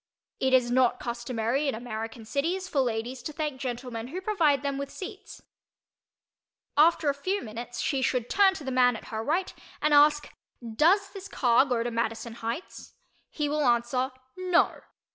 It is not customary in American cities for ladies to thank gentlemen who provide them with seats. After a few minutes she should turn to the man at her right and ask "Does this car go to Madison Heights?" He will answer "No."